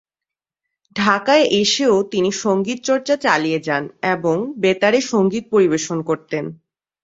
ঢাকায় এসেও তিনি সঙ্গীত চর্চা চালিয়ে যান এবং বেতারে সঙ্গীত পরিবেশন করতেন।